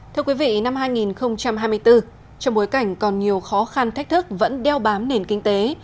thưa quý vị năm hai nghìn hai mươi bốn trong bối cảnh còn nhiều khó khăn thách thức vẫn đeo bám nền kinh tế